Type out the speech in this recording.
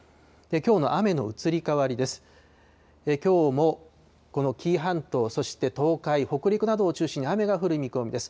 きょうもこの紀伊半島、そして東海、北陸などを中心に雨が降る見込みです。